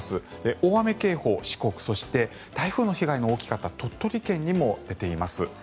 大雨警報、四国、そして台風の被害の大きかった鳥取県にも出ています。